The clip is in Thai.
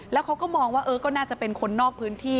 แล้วเขาก็มองว่าก็น่าจะเป็นคนนอกพื้นที่